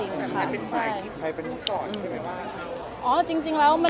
มันเป็นที่ใครเป็นที่ก่อนใช่ไหมว่า